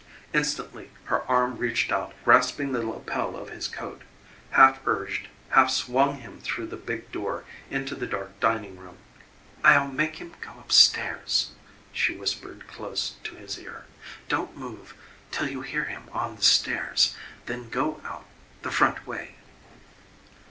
Instantly her arm reached out grasping the lapel of his coat half urged, half swung him through the big door into the dark dining room. "I'll make him go up stairs," she whispered close to his ear; "don't move till you hear him on the stairs. Then go out the front way."